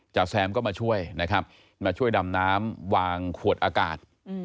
จ่าแซมก็มาช่วยดำน้ำวางขวดอากาศ